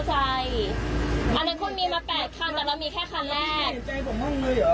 เดี๋ยวไปดูคลิปนี้แล้วเล่ารายละเอียดให้ฟังเพิ่มเติมค่ะ